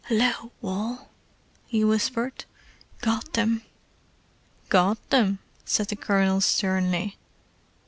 "Hullo, Wal!" he whispered. "Got 'em." "Got 'em!" said the Colonel sternly.